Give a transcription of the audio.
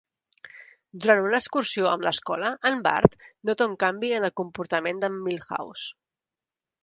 Durant una excursió amb l'escola, en Bart nota un canvi en el comportament d'en Milhouse.